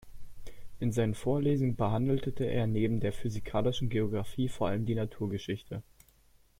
In seinen Vorlesungen behandelte er neben der physikalischen Geographie vor allem die Naturgeschichte.